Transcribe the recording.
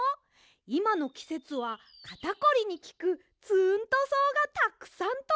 いまのきせつはかたこりにきくツーントそうがたくさんとれるんです！